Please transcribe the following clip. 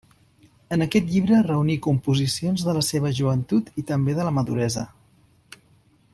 En aquest llibre reuní composicions de la seva joventut i també de la maduresa.